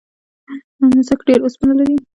نسک ډیر اوسپنه لري.